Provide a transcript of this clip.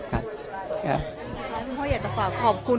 พี่ก้อพ่ออยากจะฝากขอบคุณ